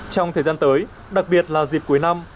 trong thời gian tới đặc biệt là dịp cuối năm